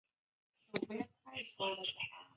富宁油果樟为樟科油果樟属下的一个种。